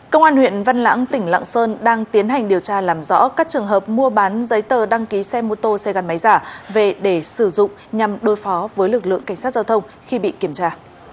công an huyện văn lãng tỉnh lạng sơn đang tiến hành điều tra làm rõ các trường hợp mua bán giấy tờ đăng ký xe mô tô xe gắn máy giả về để sử dụng nhằm đối phó với lực lượng cảnh sát giao thông khi bị kiểm tra